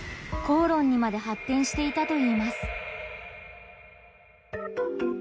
口論にまで発展していたといいます。